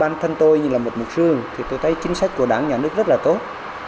bản thân tôi như là một mục sư tôi thấy chính sách của đảng nhà nước rất là tốt